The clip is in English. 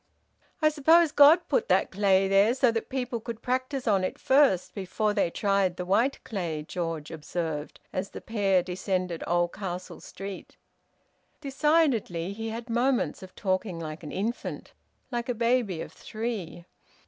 "I suppose God put that clay there so that people could practise on it first, before they tried the white clay," George observed, as the pair descended Oldcastle Street. Decidedly he had moments of talking like an infant, like a baby of three.